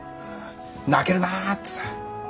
泣けるなぁってさ。